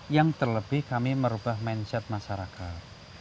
yang terlebih kami merubah mindset masyarakat